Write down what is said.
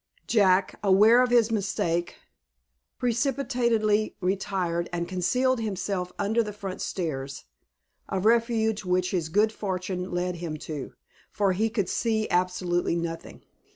Jack, aware of his mistake, precipitately retired, and concealed himself under the front stairs, a refuge which his good fortune led him to, for he could see absolutely nothing.